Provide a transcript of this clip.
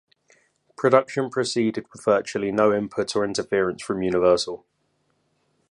Production proceeded with virtually no input or interference from Universal.